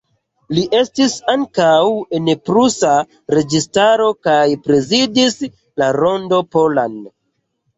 Li estis ankaŭ en prusa registaro kaj prezidis la Rondon Polan.